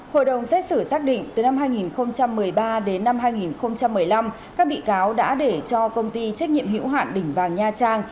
hội đồng xét xử xác định từ năm hai nghìn một mươi ba đến năm hai nghìn một mươi năm các bị cáo đã để cho công ty trách nhiệm hữu hạn đỉnh vàng nha trang